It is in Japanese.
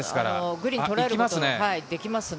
グリーンをとらえることができますね。